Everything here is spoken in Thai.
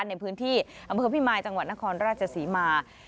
ในพื้นที่อำเภอพิมายจังหวัดนครราชศรีมา